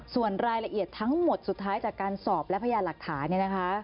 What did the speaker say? ส่วนรายละเอียดทั้งหมดสุดท้ายจากการสอบและพยานหลักฐานเนี่ยนะคะ